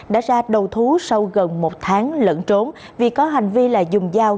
đã ra đầu thú sau gần một tháng lẫn trốn vì có hành vi là dùng dao